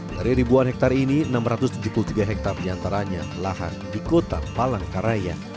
dari ribuan hektare ini enam ratus tujuh puluh tiga hektare diantaranya lahan di kota palangkaraya